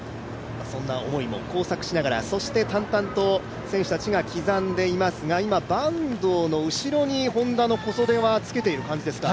そんな思いも交錯しながら淡々と選手たちが刻んでいますが今、坂東の後ろにＨｏｎｄａの小袖がつけている感じですか。